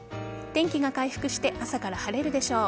天気が回復して朝から晴れるでしょう。